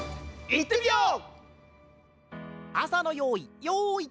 いってみよう！